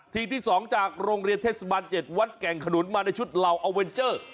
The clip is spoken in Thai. ที่๒จากโรงเรียนเทศบาล๗วัดแก่งขนุนมาในชุดเหล่าอาเวนเจอร์